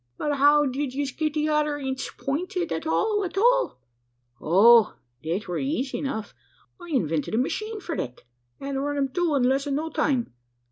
"But how did yez get the other inds pointed at all at all?" "Oh! thet weer eezy enough. I invented a machine for thet, an' run 'em through in less'n no time.